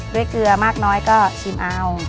เกลือมากน้อยก็ชิมเอา